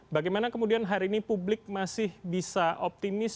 bagaimana kemudian hari ini publik masih bisa optimis